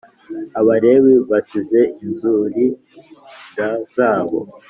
Abalewi basize inzuri d zabo